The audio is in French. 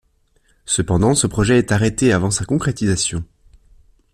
Cependant, ce projet est arrêté avant sa concrétisation.